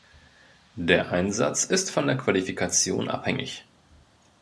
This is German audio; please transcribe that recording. Der Einsatz ist von der Qualifikation abhängig.